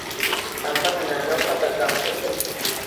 การพัฒนานวัตกรรมให้เข้มแข็ง